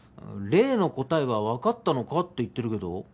「例の答えはわかったのか？」って言ってるけど。